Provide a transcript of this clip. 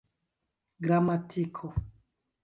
gramatiko